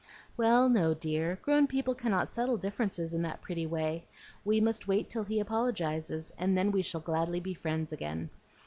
"Well, no, dear; grown people cannot settle differences in that pretty way. We must wait till he apologizes, and then we shall gladly be friends again.